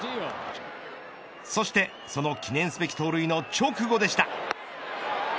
そしてその記念すべき盗塁の直後でした。